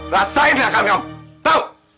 rasain akal kamu